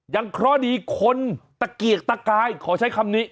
เคราะห์ดีคนตะเกียกตะกายขอใช้คำนี้